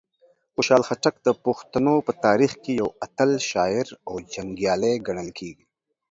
خوشحال خټک د پښتنو په تاریخ کې یو اتل شاعر او جنګیالی ګڼل کیږي.